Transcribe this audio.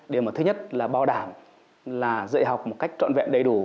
để mà thứ nhất là bao đảm là dạy học một cách trọn vẹn đầy đủ